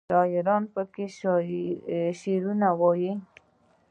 شاعران پکې شعرونه وايي.